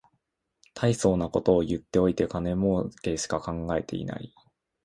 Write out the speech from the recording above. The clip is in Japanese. たいそうなこと言っといて金もうけしか考えてない